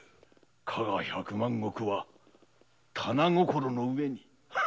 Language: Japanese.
加賀百万石は掌の上に。